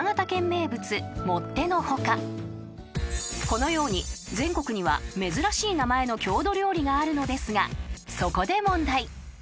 ［このように全国には珍しい名前の郷土料理があるのですがそこで問題］